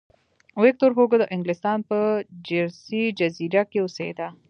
ویکتور هوګو د انګلستان په جرسي جزیره کې اوسېده.